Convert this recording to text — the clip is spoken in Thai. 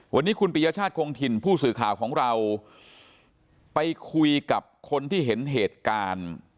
วันนี้คุณปียชาติคงถิ่นผู้สื่อข่าวของเราไปคุยกับคนที่เห็นเหตุการณ์